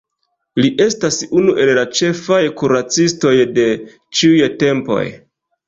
Li estas unu el la ĉefaj kuracistoj de ĉiuj tempoj.